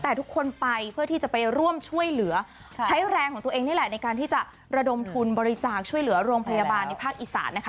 แต่ทุกคนไปเพื่อที่จะไปร่วมช่วยเหลือใช้แรงของตัวเองนี่แหละในการที่จะระดมทุนบริจาคช่วยเหลือโรงพยาบาลในภาคอีสานนะคะ